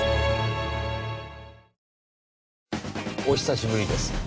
お久しぶりです。